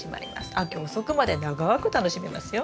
秋遅くまで長く楽しめますよ。